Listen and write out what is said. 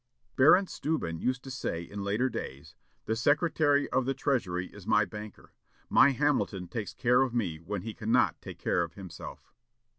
Baron Steuben used to say, in later days, "The Secretary of the Treasury is my banker; my Hamilton takes care of me when he cannot take care of himself."